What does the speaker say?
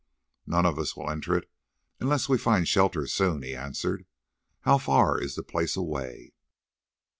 "None of us will enter it unless we find shelter soon," he answered. "How far is the place away?"